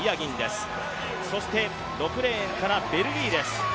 そして６レーンからベルギーです。